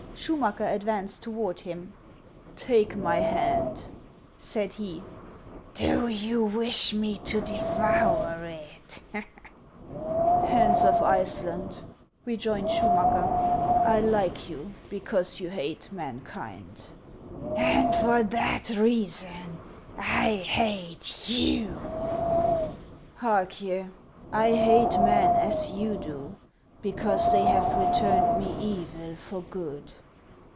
Schumacker advanced toward him. 486 HANS OF ICELAND. " Take iny hand," said he. " Do you wish me to devour it ?"" Hans of Iceland," rejoined Schumacker, " I like you because you hate mankind." "And for that reason I hate you." " Hark ye, I hate men, as you do, because they have returned me evil for good."